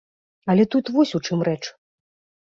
Але тут вось у чым рэч.